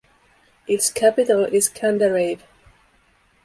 Its capital is Candarave.